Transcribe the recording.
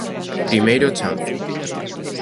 Primeiro chanzo.